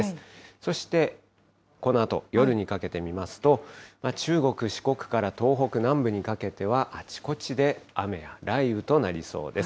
そしてこのあと、夜にかけて見ますと、中国、四国から東北南部にかけてはあちこちで雨や雷雨となりそうです。